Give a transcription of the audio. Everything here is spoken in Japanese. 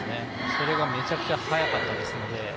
それがめちゃくちゃ速かったですので。